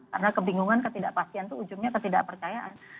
karena kebingungan ketidakpastian itu ujungnya ketidakpercayaan